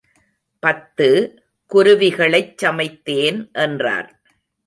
பத்து குருவிகளைச் சமைத்தேன் என்றார்.